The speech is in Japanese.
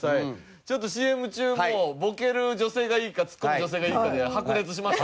ちょっとＣＭ中もボケる女性がいいかツッコむ女性がいいかで白熱しました。